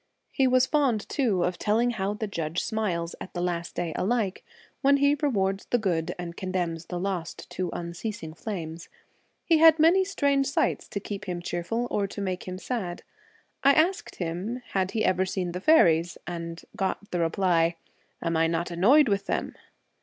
He was fond too of telling how the Judge smiles at the last day alike when he rewards the good and condemns the lost to unceasing flames. He had many strange sights to keep him cheerful or to make him sad. I asked him had he ever seen the faeries, and got the reply, ' Am I not annoyed with them